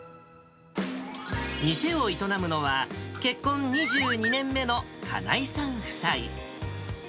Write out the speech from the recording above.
店を営むのは、結婚２２年目の金井さん夫妻。